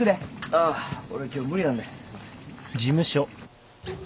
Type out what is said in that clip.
あっ俺今日無理なんで。